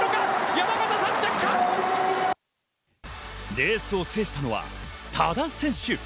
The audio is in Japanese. レースを制したのは多田選手。